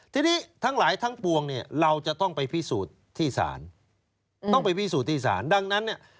ทีนี้ทั้งหลายทั้งปวงนี่เราจะต้องไปพิสูที่สารมันจะไปพิสูที่สารดังนั้นน่ะ